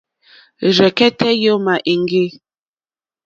Rzɛ̀kɛ́tɛ́ yǒmà éŋɡê.